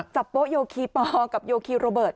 โป๊โยคีปอลกับโยคีโรเบิร์ต